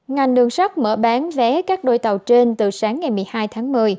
ngành đường sắt mở bán vé các đôi tàu trên từ sáng ngày một mươi hai tháng một mươi